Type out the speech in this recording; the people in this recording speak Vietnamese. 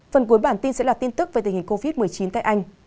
phần cuối bản tin sẽ là tin tức về tình hình covid một mươi chín tại anh